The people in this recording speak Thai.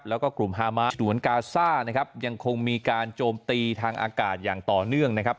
แล้วก็กลุ่มฮามะหวนกาซ่านะครับยังคงมีการโจมตีทางอากาศอย่างต่อเนื่องนะครับ